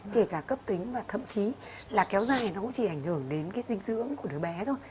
kể cả cấp tính và thậm chí là kéo dài nó cũng chỉ ảnh hưởng đến cái dinh dưỡng của đứa bé thôi